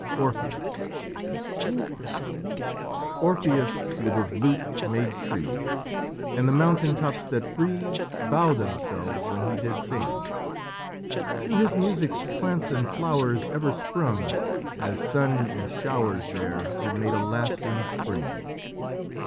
ORPHEUS "Orpheus with his lute made trees, And the mountain tops that freeze, Bow themselves when he did sing; To his music plants and flowers Ever sprung, as sun and showers There had made a lasting spring.